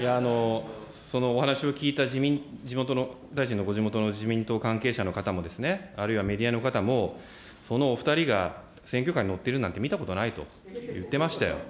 そのお話を聞いた地元の、大臣のご地元の自民党関係者の方もですね、あるいはメディアの方も、そのお２人が選挙カーに乗ってるなんて見たことないと言ってましたよ。